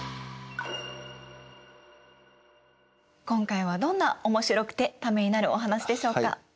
今回はどんなおもしろくてためになるお話でしょうか？